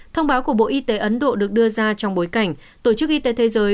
thông báo của bộ y tế ấn độ được đưa ra trong bối cảnh tổ chức y tế thế giới